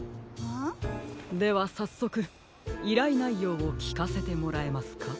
ではさっそくいらいないようをきかせてもらえますか？